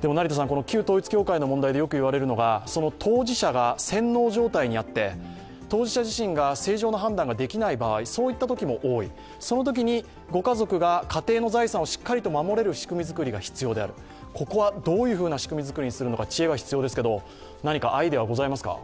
でも旧統一教会の問題でよく言われるのが当事者が洗脳状態にあって当事者自身が正常な判断ができない場合、そういったときも多い、そのとき、ご家族が家庭の財産をしっかりと守れる仕組み作りが必要である、ここはどういう仕組みづくりをするのか何かアイデアはございますか？